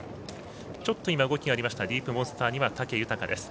ちょっと今、動きがありましたディープモンスターには武豊です。